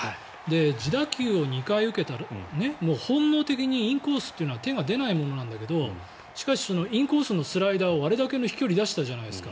自打球を２回受けたら本能的にインコースというのは手が出ないものなんだけどしかしインコースのスライダーをあれだけの飛距離出したじゃないですか。